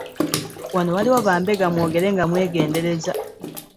Wano waliwo bambega mwogere nga mwegendereza.